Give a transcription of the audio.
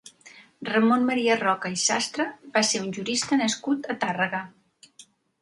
Ramon Maria Roca i Sastre va ser un jurista nascut a Tàrrega.